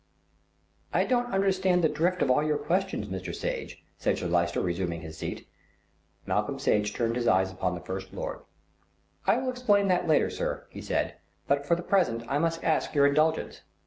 "I don't understand the drift of all your questions, Mr. Sage," said Sir Lyster, resuming his seat. Malcolm Sage turned his eyes upon the First Lord. "I will explain that later, sir," he said, "but for the present I must ask your indulgence."